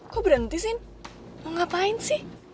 kok berhenti sih mau ngapain sih